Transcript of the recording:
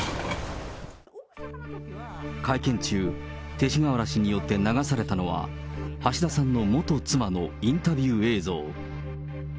会見中、勅使河原氏によって流されたのは、橋田さんの元妻のインタビュー映像。